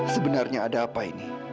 sebenarnya ada apa ini